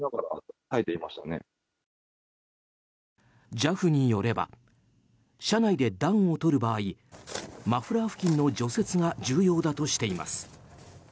ＪＡＦによれば車内で暖をとる場合マフラー付近の除雪が重要だとしています。